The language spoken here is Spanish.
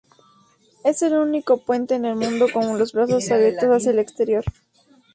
Es el único puente en el mundo con los brazos abiertos hacia el exterior.